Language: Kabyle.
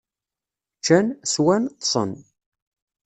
Ččan, sswan, ṭṭsen.